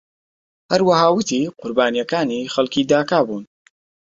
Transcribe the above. هەروەها ووتی قوربانیەکانی خەڵکی داکا بوون.